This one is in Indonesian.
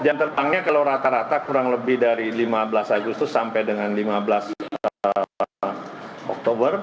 jam terbangnya kalau rata rata kurang lebih dari lima belas agustus sampai dengan lima belas oktober